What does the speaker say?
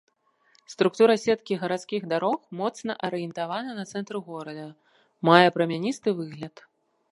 Структура сеткі гарадскіх дарог моцна арыентавана на цэнтр горада, мае прамяністы выгляд.